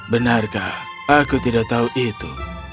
benarkah aku tidak tahu itu